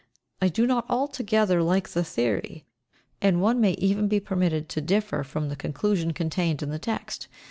I do not altogether like the theory; and one may even be permitted to differ from the conclusion contained in the text.